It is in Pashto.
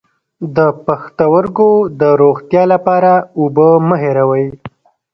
د پښتورګو د روغتیا لپاره اوبه مه هیروئ